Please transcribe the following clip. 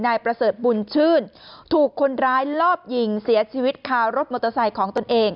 นายประเสริฐบุญชื่นถูกคนร้ายลอบยิงเสียชีวิตคารถมอเตอร์ไซค์ของตนเอง